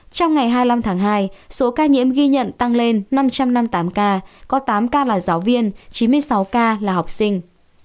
trong ngày hai mươi năm tháng hai số ca nhiễm ghi nhận tăng lên năm trăm năm mươi tám ca có tám ca là giáo viên chín mươi sáu ca là học sinh